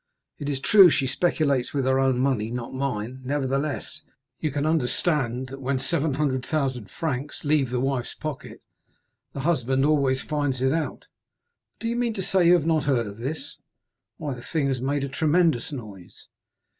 It is true she speculates with her own money, not mine; nevertheless, you can understand that when 700,000 francs leave the wife's pocket, the husband always finds it out. But do you mean to say you have not heard of this? Why, the thing has made a tremendous noise."